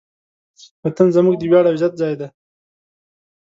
وطن زموږ د ویاړ او عزت ځای دی.